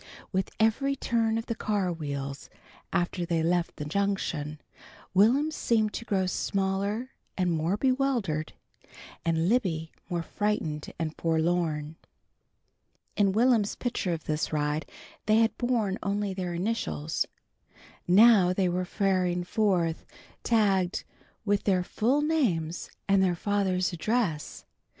With every turn of the car wheels after they left the Junction, Will'm seemed to grow smaller and more bewildered, and Libby more frightened and forlorn. In Will'm's picture of this ride they had borne only their initials. Now they were faring forth tagged with their full names and their father's address.